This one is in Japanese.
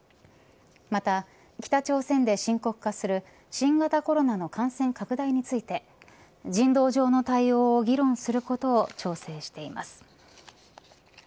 また、北朝鮮で深刻化する新型コロナの感染拡大について人道上の対応を議論することを調整しています。